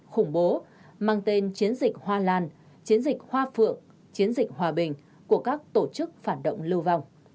khủng bố mang tên chiến dịch hoa lan chiến dịch hoa phượng chiến dịch hòa bình của các tổ chức phản động lưu vong